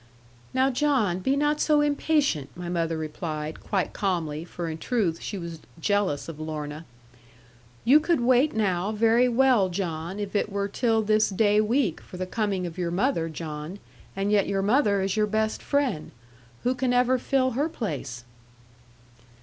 'Now, John, be not so impatient,' my mother replied, quite calmly, for in truth she was jealous of Lorna, 'you could wait now, very well, John, if it were till this day week, for the coming of your mother, John. And yet your mother is your best friend. Who can ever fill her place?'